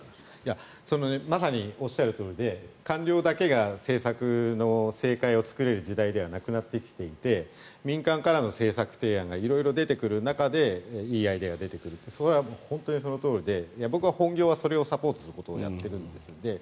まさにおっしゃるとおりで官僚だけが政策の正解を作れる時代ではなくなってきていて民間からの政策提案が色々出てくる中でいいアイデアが出てくるってそれは本当にそのとおりで僕は本業はそれをサポートすることをやっているんです。